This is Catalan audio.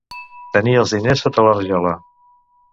Tenir els diners sota la rajola.